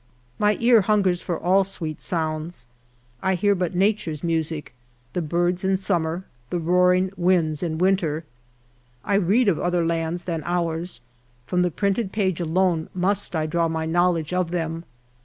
My ear hungers for all sweet sounds. I hear but nature's music — the birds in summer, the roaring winds in winter. I read of other lands than ours : from the printed page alone must I draw my knowl edge of them.